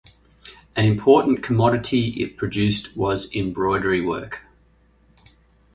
An important commodity it produced was embroidery work.